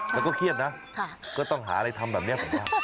แล้วก็เวียกนะก็ต้องหาอะไรทำแบบนี้